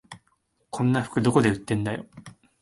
こんな服どこで売ってんだよ